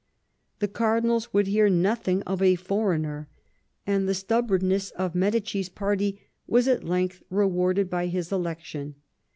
The cardinals would hear nothing of a foreigner, and the stubbornness of Medici's party was at length rewarded by his election.